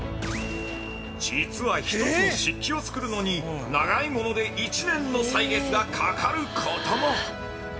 ◆実は１つの漆器を作るのに長いもので１年の歳月がかかることも。